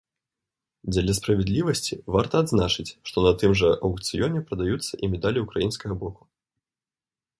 Дзеля справядлівасці варта адзначыць, што на тым жа аўкцыёне прадаюцца і медалі ўкраінскага боку.